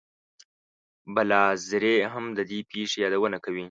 بلاذري هم د دې پېښې یادونه کوي.